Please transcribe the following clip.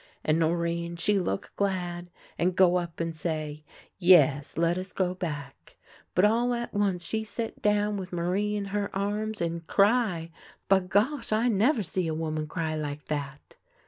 " And Norinne she look glad, and go up and say :' Yes, let us go back.' But all at once she sit down with Marie in her arms, and cry — bagosh ! I never see a woman cry like that.